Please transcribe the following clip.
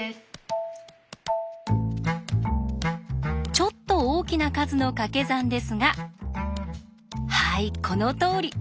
ちょっと大きな数のかけ算ですがはいこのとおり！